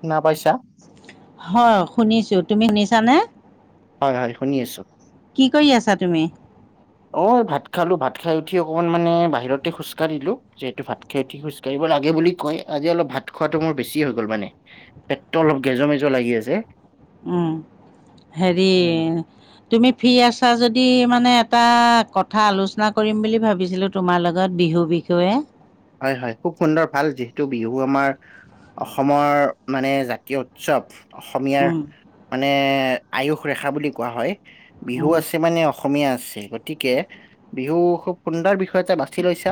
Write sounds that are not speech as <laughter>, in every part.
শুনা পাইচা? হয় শুনিছোঁ তুমি শুনিছানে হয় হয় শুনি আছোঁ। কি কৰি আছা তুমি অ ভাত খালো ভাত খাই উঠি অকমান মানে বাহিৰতে খোজকাঢ়িলো। যিহেতু ভাত খাই উঠি খোজ কাঢ়িব লাগে বুলি কয় আজি অলপ ভাত খোৱাটো মোৰ বেছি হৈ গ'ল মানে। পেটটো অলপ গেজ মেজ লাগি আছে। উম হেৰি উম, তুমি ফ্ৰী আছা যদি মানে এটা কথা আলোচনা কৰিম বুলি ভাবিছিলো। তোমাৰ লগত বিহু বিষয়ে। হয় হয় খুব সুন্দৰ ভাল যিহেতু বিহু আমাৰ অসমৰ মানে জাতীয় উৎসৱ। অসমীয়াৰ উম মানে আয়ুস ৰেখা বুলি কোৱা হয় বিহু উম আছে মানে অসম অসমীয়া আছে গতিকে বিহু খুব সুন্দৰ বিষয় এটা বাছি লৈছা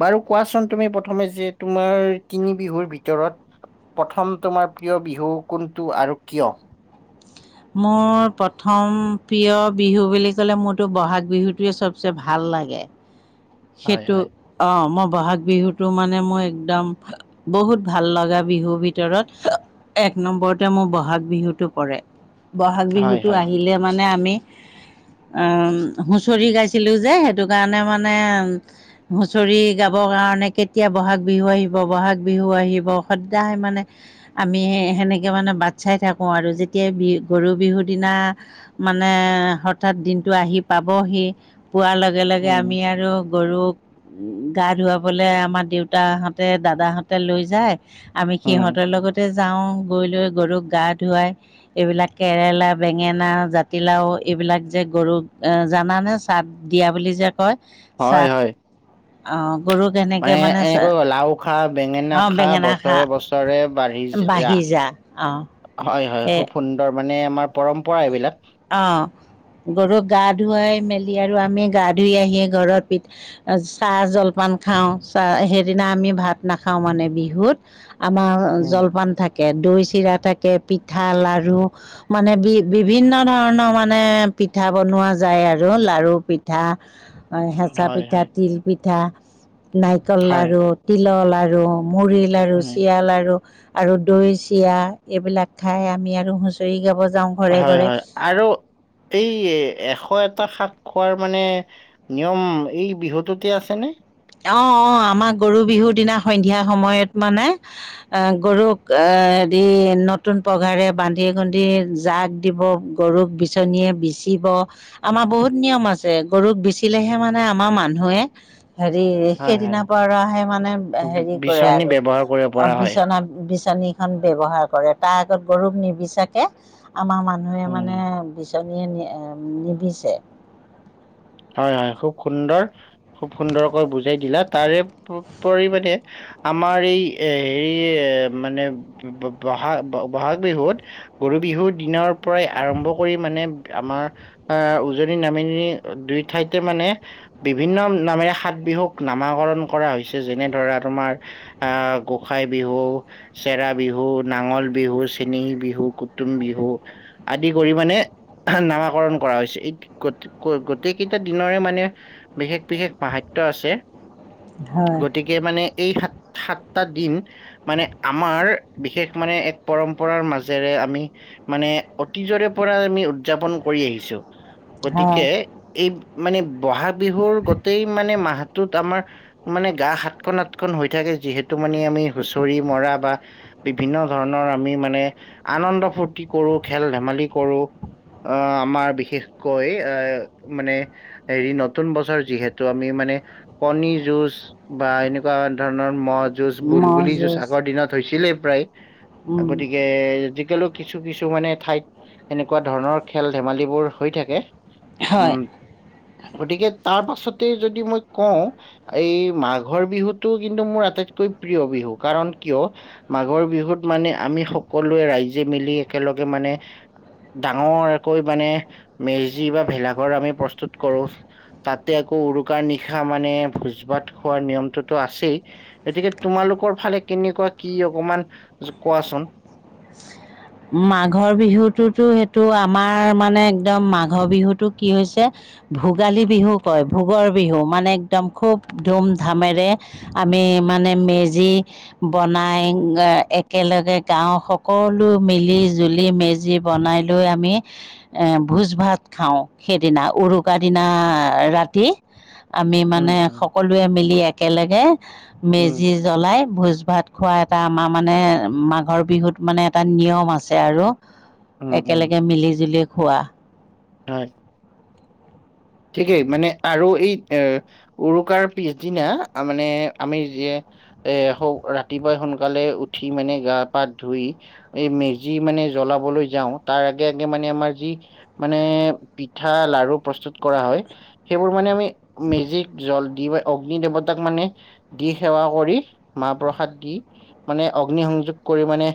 বাৰু কোৱাচোন তুমি প্ৰথমে যে তোমাৰ তিনি বিহুৰ ভিতৰত প্ৰথম তোমাৰ প্ৰিয় বিহু কোনটো আৰু কিয় মোৰ প্ৰথম প্ৰিয় বিহু বুলি ক'লে মোৰতো বহাগ বিহুটোৱে চব ছ ভাল লাগে, হয় সেইটো হয়। অ', মই বহাগ বিহুতটো মানে মই একদম বহুত ভাল লগা বিহুৰ ভিতৰত, এক নম্বৰতে মোৰ বহাগ বিহুতটো পৰে। বহাগ হয় বিহুতটো হয় আহিলে মানে আমি আম, হুঁচৰি গাইছিলোঁ যে, সেইটো কাৰণে মানে হুঁচৰি গাব কাৰণে, কেতিয়া বহাগ বিহু আহিব, বহাগ বিহু আহিব সদায়ে মানে আমি সেনেকে মানে বাট চাই থাকোঁ আৰু, যেতিয়াই বি গৰু বিহুৰ দিনা মানে হঠাৎ দিনটো আহি পাবহি। পোৱাৰ লগে লগে উম আমি আৰু গৰুক গা ধুৱাবলে আমাৰ দেউতাহঁতে, দাদাহঁতে লৈ যায়। আমি উম সিহঁতৰ লগতে যাওঁ, গৈ লৈ গৰুক গা ধুৱাই এইবিলাক কেৰেলা, বেঙেনা, জাতিলাও এইবিলাক যে গৰুক জানানে চাট দিয়া বুলি যে কয়। হয়, চাট হয়। অ গৰুক এনেকে মানে এনেকৈ চা- লাও খা, বেঙেনা অ খা বেঙেনা বতৰে বছ ৰে বাঢ়ি যা। বাঢ়ি অ হয়, হয় এ খুব সুন্ দৰ মানে আমাৰ পৰম্পৰা এইবিলাক। অ', গৰুক গা ধুৱাই মেলি, আৰু আমি গা ধুই আহি ঘৰত পিঠ্ চাহ জলপান খাওঁ, চাহ সেইদিনা আমি ভাত নাখাওঁ মানে বিহুত। আমাৰ উম জলপান থাক থাকে দৈ চিৰা থাকে, পিঠা লাৰু মানে বি-বিভিন্ন ধৰণ ধৰণৰ মানে পিঠা বনোৱা যায় আৰু, লাৰু পিঠা হেঁচা হয় পিঠা, হয় তিল পিঠা, নাৰিকল হয় লাৰু। তিলৰ লাৰু, মুড়ী লাৰু, উম চিৰাৰ লাৰু। আৰু দৈ চিৰা, এইবিলাক খাই আমি আৰু হুঁচৰি গাব যাওঁ। ঘৰে হয়, ঘৰে হয়। আৰু এই এশ এটা শাক খোৱাৰ মানে নিয়ম এই বিহুটোতে আছেনে? অ', অ', আমাৰ গৰু বিহুৰ দিনা সন্ধিয়া সময়ত মানে। আ, গৰুক এ, দি নতুন পঘাৰে বান্ধি কুন্ধি জাক দিব। গৰুক বিচনীয়ে বিচিব। আমাৰ বহুত নিয়ম আছে, গৰুক বিচিলেহে মানে আমাৰ মানুহে। হেৰি হয় হয় সেইদিনাৰ পৰাহে মানে বি- হেৰি কৰে বিচনী আৰু। ব্যৱহাৰ কৰিব অ', পৰা হয় বিচনা বিচনী খন ব্যৱহাৰ কৰে তাৰ আগত গৰুক নিবিচাকে, আমাৰ মানুহে উম মানে জনীয়ে নি অম নিবিছে। হয়, হয়। খুব সুন্দৰ, খুব সুন্দৰকৈ বুজাই দিলা তাৰে প-পৰিমণে আমাৰ এই এ, হেৰি এ, মানে ব-ব-বহাগ বহাগ বিহুত গৰু বিহুৰ দিনৰ পৰাই আৰম্ভ কৰি মানে আমাৰ আ, উজনি নামেনি দুই ঠাইতে মানে বিভিন্ন নামেৰে সাত বিহুক নামাকৰণ কৰা হৈছে, যেনে ধৰা তোমাৰ আ, গোঁসাই বিহু। চেৰা বিহু, নাঙল বিহু, চেনেহি বিহু, কুটুম বিহু। আদি কৰি মানে নামাকৰণ কৰা হৈছে <unintelligible> গো-গোটেইকেইটা দিনৰে মানে বিশেষ বিশেষ মাহাত্য আছে। হয় গতিক এই মানে এই সাত সাতটা দিন মানে আমাৰ বিশেষ মানে এক পৰম্পৰাৰ মাজেৰে আমি মানে অতীজৰে পৰা আমি উদৰ্যাপন কৰি আহিছোঁ। গতিকে হয় এ এই মানে ব'হাগ বিহুৰ গোটেই মানে মাহটোত আমাৰ মানে গা সাতখন আঁঠখন হৈ থাকে যিহেতু মানে আমি হুঁচৰি মৰা বা বিভিন্ন ধৰণৰ আমি মানে আনন্দ ফূৰ্তি কৰোঁ, খেল ধেমালি কৰোঁ। আহ আমাৰ বিশেষকৈ আ মানে হেৰি নতুন বছৰ যিহেঁতু আমি মানে কণি জুচ বা এনেকুৱা ধৰণৰ মহ যুঁজ, বুলবুলি যুঁজ আগৰ দিনত হৈছিলে প্ৰায়। উম গতিকে আজিকালি কিছু কিছু মানে ঠাইত এনেকুৱা ধৰণৰ খেল ধেমালিবোৰ হৈ থাকে। হয় উম। গতিকে তাৰ পাছতে যদি মই কওঁ এই মাঘৰ বিহুটো কিন্তু মোৰ আটাইতকৈ প্ৰিয় বিহু কাৰণ। কিয় মাঘৰ বিহুত মানে আমি সকলোৱে ৰাইজে মিলি একেলগে মানে। ডাঙৰকৈ মানে মেজি বা ভেলাঘৰ আমি প্ৰস্তুত কৰোঁ। তাতে আকৌ উৰুকাৰ নিশা মানে ভোজ ভাত খোৱাৰ নিয়মটোতো আছেই। এতেকে তোমালোকৰ ফালে কেনেকুৱা কি অকমান কোৱাচোন? মাঘৰ বিহুতোটো সেইটো আমাৰ মানে একদম মাঘৰ বিহুটো কি হৈছে ভোগালী বিহু কয় ভোগৰ বিহু মানে একদম খুব ধুম ধামেৰে আমি মানে মেজি বনাই একেলগে গাঁওৰ সকলো মিলি জুলি মেজি বনাই লৈ আমি এ ভোজ ভাত খাওঁ সেইদিনা উৰুকাৰ দিনা ৰাতি। আমি উম, মানে উম, সকলোৱে মিলি একেলগে উম, মেজি জ্বলাই ভোজ ভাত খোৱা এটা আমাৰ মানে মাঘৰ বিহুত মানে এটা নিয়ম আছে আৰু। উম, উম, একেলগে মিলি জুলি খোৱা। হয় ঠিকেই মানে আৰু এই এ উৰুকাৰ পিছদিনা মানে আমি যে এ ৰাতিপুৱাই সোনকালে উঠি মানে গা পা ধুই এই মেজি মানে জ্বলাবলৈ যাওঁ। তাৰ আগে আগে মানে আমাৰ যি মানে পিঠা, লাৰু প্ৰস্তুত কৰা হয়। সেইবোৰ মানে আমি মেজিক জল দি অগ্নি দেৱতাক মানে দি সেৱা কৰি, মাহ প্ৰসাদ দি মানে অগ্নি সংযোগ কৰি মানে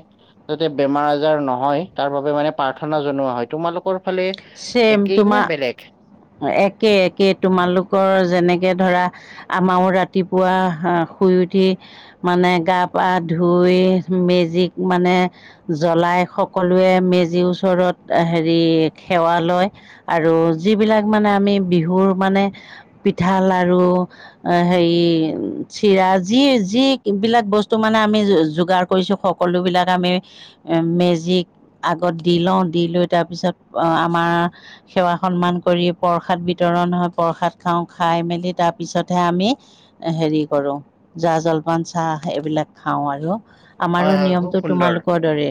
যাতে বেমাৰ আজাৰ নহয় তাৰ বাবে মানে প্ৰাৰ্থনা জনোৱা হয়। তোমালোকৰ ফালে ছেম একেই নে বেলেগ তোমাৰ একে একে তোমালোকৰ যেনেকে ধৰা আমাৰও ৰাতিপুৱা শুই উঠি মানে গা পা ধুই মেজিক মানে জ্বলাই সকলোৱে মেজিৰ ওচৰত হেৰি সেৱা লয় আৰু যিবিলাক মানে আমি বিহুৰ মানে পিঠা, লাৰু অ' হেৰি চিৰা যি যি বিলাক বস্তু মানে আমি যোগাৰ কৰিছোঁ। সকলোবিলাক আমি মেজিক আগত দি লওঁ দি লৈ তাৰপিছত অ আমাৰ সেৱা সন্মান কৰি প্ৰসাদ বিতৰণ হয় প্ৰসাদ খাওঁ খাই মেলি তাৰপিছতহে আমি হেৰি কৰোঁ। জা জলপান চাহ এইবিলাক খাওঁ আৰু। হয়, আমাৰো হয়, খুব নিয়মটো সুন্দৰ। তোমালোকৰ দৰে।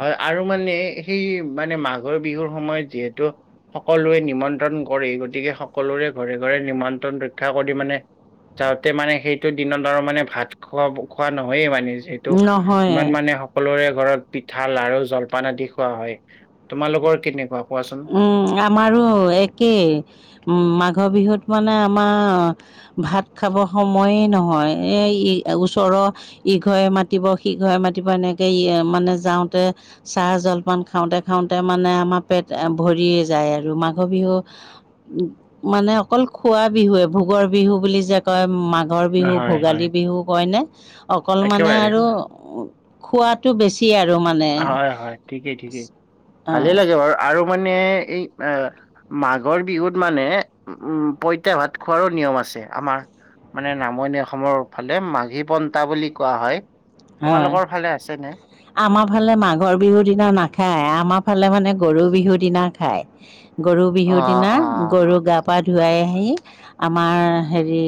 হয় আৰু মানে সেই মানে মাঘৰ বিহুৰ, সময়ত যিহেতু সকলোৱে নিমন্ত্ৰণ কৰে, গতিকে সকলোৰে ঘৰে, ঘৰে নিমন্ত্ৰণ ৰক্ষা কৰি মানে যাওঁতে মানে সেইটো দিনত আৰু মানে ভাত খোৱা, খোৱা নহয়ে মানে এইটো নহয় ইমান মানে, সকলোৰে ঘৰত পিঠা লাড়ো জলপান আদি, খোৱা হয়। তোমালোকৰ কেনেকুৱা কোৱাচোন? আমাৰো একেই, মাঘ বিহুত মানে আমাৰ, আ ভাত খাব সময়ে নহয়, এই ই, ওচৰৰ ইঘৰে মাতিব, সিঘৰে মাতিব, এনেকে ই মানে যাওঁতে। চাহ জলপান খাওঁতে, খাওঁতে, মানে আমাৰ পেট ভৰিয়ে যায় আৰু মাঘ বিহু। মানে অকল খোৱা বিহুৱে, ভোগৰ বিহু বুলি যে কয়, মাঘৰ বিহু, হয়, হয়, ভোগালী বিহু, কয়নে অকল মানে একেবাৰে আৰু খোৱাতটো বেছি আৰু মানে। হয়, হয়, ঠিকেই ঠিকেই। অ, ভালে লাগে বাৰু আৰু মানে, এই। অ, মাঘৰ বিহুত, মানে উম, পঁইতা ভাত খোৱাৰো নিয়ম আছে, আমাৰ। মানে নামনি অসমৰ ফালে, মাঘী পন্থা বুলি কোৱা হয়, হয় তোমালোকৰ ফালে আছেনে? আমাৰ ফালে মাঘৰ বিহুৰ দিনা নাখায়, আমাৰ ফালে মানে গৰু বিহুৰ দিনা খায়। গৰু অ বিহুৰ দিনা, অ গৰুক গা, পা, ধুৱাই আহি। আমাৰ হেৰি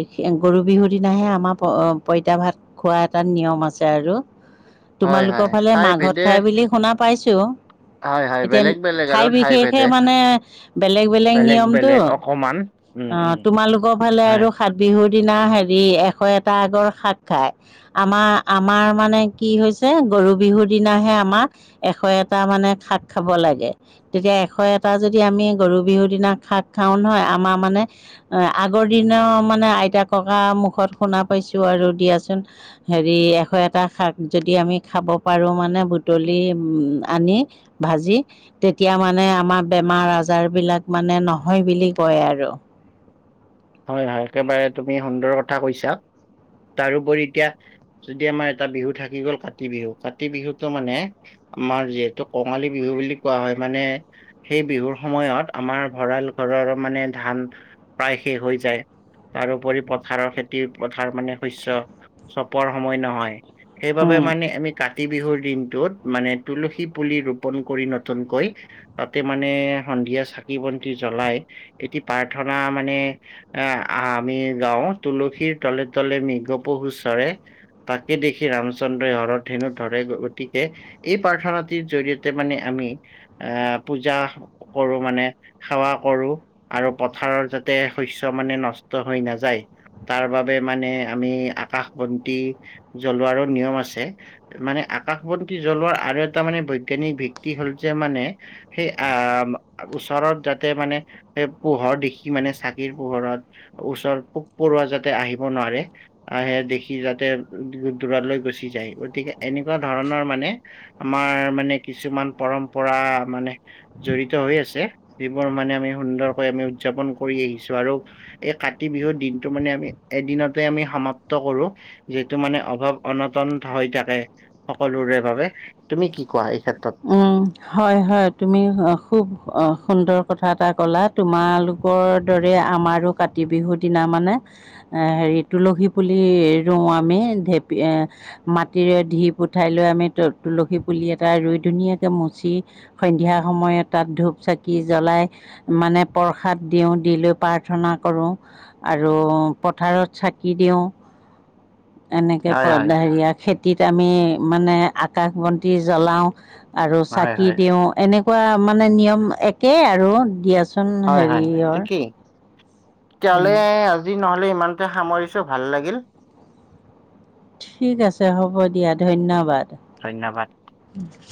গৰু বিহুৰ দিনাহে, আমাৰ প-পঁইতা ভাত। খোৱা এটাত নিয়ম আছে, আৰু হয় তোমালোকৰ হয় ফালে ঠাই মাঘত ভেদে খাই বুলি শুনা পাইছো। হয় হয় এতিয়া বেলেগ বেলেগ আৰু ঠাই বিশেষে, ভেদে মানে বেলেগ, বেলেগ নিয়মতটো। বেলেগ অকমান উম অ, উম তোমালোকৰ ফালে, হয় আৰু। সাত বিহুৰ দিনা হেৰি, এশ এটা আগৰ শাক খায়, আমাৰ। আমাৰ মানে কি হৈছে, গৰু বিহুৰ দিনাহে আমাৰ। এশ এটা, মানে শাক খাব লাগে। তেতিয়া এশ এটা যদি আমি গৰু বিহুৰ দিনা শাক খাওঁ নহয়, আমাৰ মানে আগৰ দিনৰ মানে, আইতা-ককা মুখত শুনা পাইছো আৰু দিয়াচোন হে হেৰি এশ এটা শাক যদি আমি খাব পাৰোঁ, মানে বুটলি আনি। ভাজি। তেতিয়া মানে আমাৰ, বেমাৰ আজাৰ বিলাক, মানে নহয় বুলি কয়, আৰু। হয়, হয়, একেবাৰে তুমি সুন্দৰৰ কথা কৈছা, তাৰোপৰি এতিয়া। যদি আমাৰ এটা বিহু থাকি গ'ল, কাতি বিহু, কাতি বিহুতটো মানে আমাৰ যিহেতু কঙালী বিহু বুলি কোৱা হয়, মানে সেই বিহুৰ সময়ত আমাৰ, ভঁৰাল ঘৰৰ মানে, ধান প্ৰায় শেষ হৈ যায়। তাৰপৰি পথাৰৰ খেতি, পথাৰ মানে শস্য, চপোৱাৰ সময় নহয়। সেইবাবে, উম, মানে আমি কাতি বিহুৰ দিনটোত, মানে তুলসী পুলি ৰোপন কৰি নতুনকৈ তাতে মানে সন্ধিয়া চাকি- বন্তি জ্বলাই, এটি প্ৰাৰ্থনা মানে আহ, আমি গাওঁ তুলসীৰ তলে, তলে, মৃগপহু চৰে। তাকে দেখি, ৰামচন্দ্ৰই হৰ ধেনু ধৰে গতিকে। এই প্ৰাৰ্থনাটিৰ জৰিয়তে মানে, আমি আহ, পূজা কৰো মানে, সেৱা কৰো আৰু পথাৰত যাতে। শস্য মানে, নষ্ট হৈ নাযায়। তাৰ বাবে মানে আমি, আকাশ বন্তি জ্বলোৱাৰো নিয়ম আছে। মানে আকাশবন্তী জ্বলোৱাৰ আৰু এটা মানে বৈজ্ঞানিক ভিত্তি হ'ল যে মানে। সেই আ, ওচৰত যাতে মানে সেই পোহৰ দেখি মানে চাক কি পোহৰত, ওচৰত পোক - পৰুৱা যাতে আহিব নোৱাৰে আহে দেখি যাতে দু দূৰলৈ গুচি যায় গতিকে এনেকুৱা ধৰণৰ মানে আমাৰ মানে কিছুমান পৰম্পৰা মানে জড়িত হৈ আছে, যিবোৰ মানে আমি সুন্দৰকৈ আমি উদযাপন কৰি আহি ছোঁ আৰু এই কাতি বিহুৰ দিনটো মানে আমি এদিনতে আমি সমাপ্ত কৰো যিহেতু মানে অভাৱ অনাটন থা হৈ থাকে সকলোৰে বাবে তুমি কি কোৱা এই ক্ষেত্ৰত? উম, হয় হয়, তুমি অ খুব অ সুন্দৰ কথা এটা ক'লা তোমালোকৰ দৰে আমাৰো কাতি বিহুৰ দিনা মানে এ হেৰি তুলসী পুলি ৰোঁও আমি ঢেপী এ মাটিৰে ধিপ উঠাই লৈ আমি ত তুলসী পুলি এটা ৰুই ধুনীয়াকে মুছি সন্ধিয়া সময়ত তাত ধূপ চাকি জ্বলাই মানে প্ৰসাদ দিওঁ, দি লৈ প্ৰাৰ্থনা কৰোঁ। আৰু পথাৰত চাকি দিওঁ। এনেকে হয় হয় প্ৰদা হেৰিয়াত খেতিত আমি মানে আকাশ বন্তি জ্বলাও আৰু হয় চাকি হয় দিও এনেকুৱা মানে নিয়ম একে আৰু দিয়াচো <unintelligible> হয় হেৰিয়ৰ তিয়ালে আজি নহলে ইমানতে সামৰিছোঁ ভাল লাগিল। ঠিক আছে হ'ব দিয়া ধন্যবাদ। ধন্যবাদ। <inaudible>